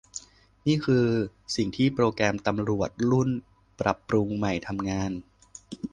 นี่คือสิ่งที่โปรแกรมตำรวจรุ่นปรับปรุงใหม่ทำงาน